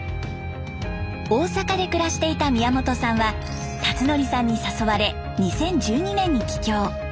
大阪で暮らしていた宮本さんは辰徳さんに誘われ２０１２年に帰郷。